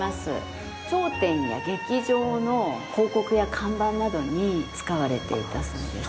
商店や劇場の広告や看板などに使われていたそうです。